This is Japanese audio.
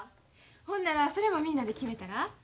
ほんならそれもみんなで決めたら？